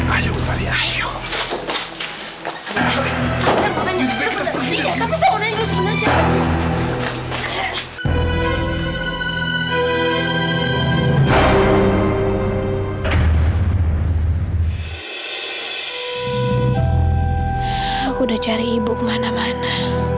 aku sudah cari ibu kemana mana